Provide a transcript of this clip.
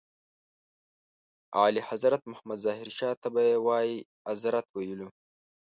اعلیحضرت محمد ظاهر شاه ته به یې وایي اذرت ویلو.